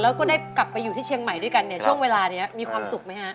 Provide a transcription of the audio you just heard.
แล้วก็ได้กลับไปอยู่ที่เชียงใหม่ด้วยกันเนี่ยช่วงเวลานี้มีความสุขไหมฮะ